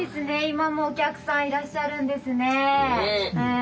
今もお客さんいらっしゃるんですね。